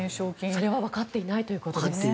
それはわかっていないということです。